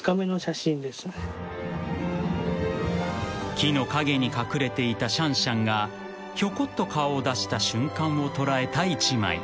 ［木の陰に隠れていたシャンシャンがひょこっと顔を出した瞬間を捉えた１枚］